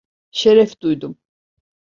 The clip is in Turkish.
Şeref duydum.